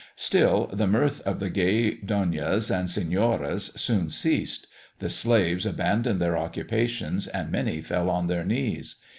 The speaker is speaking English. Still, the mirth of the gay donnas and senoras soon ceased; the slaves abandoned their occupations, and many fell on their knees.